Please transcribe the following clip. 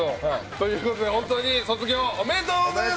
ということで本当に卒業おめでとうございます！